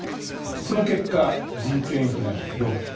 その結果、人権被害が広がった。